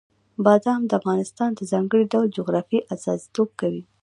بادام د افغانستان د ځانګړي ډول جغرافیې استازیتوب کوي.